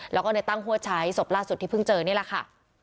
แล้วก็ในตั้งหัวใช้ศพล่าสุดที่เพิ่งเจอนี่แหละค่ะ